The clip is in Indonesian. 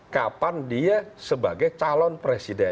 kapan dia sebagai calon presiden